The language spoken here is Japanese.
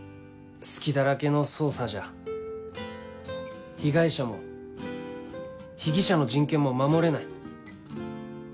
隙だらけの捜査じゃ被害者も被疑者の人権も守れない。